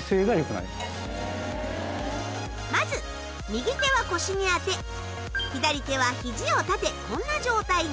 まず右手は腰に当て左手は肘を立てこんな状態に。